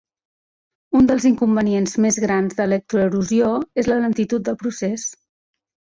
Un dels inconvenients més grans de l'electroerosió és la lentitud del procés.